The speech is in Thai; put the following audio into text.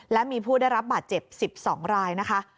และมีผู้ได้รับบาดเจ็บ๑๒รายนะคะ